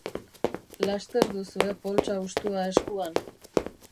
Laster duzue poltsa hustua eskuan.